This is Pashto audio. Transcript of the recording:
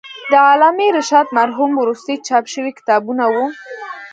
د علامه رشاد مرحوم وروستي چاپ شوي کتابونه و.